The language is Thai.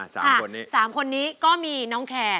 ๓คนนี้๓คนนี้ก็มีน้องแคน